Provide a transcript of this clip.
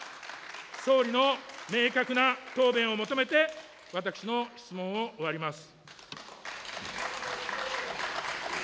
総理の明確な答弁を求めて、私の質問を終わります。